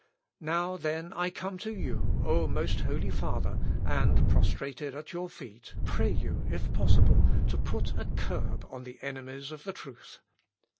"Now, then, I come to you, O Most Holy Father, and, prostrated at your feet, pray you, if possible, to put a curb on the enemies of the truth.